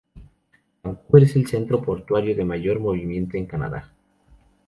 Vancouver es el centro portuario de mayor movimiento en Canadá.